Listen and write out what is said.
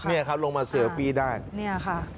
นี่ลงมาเซลฟี่ได้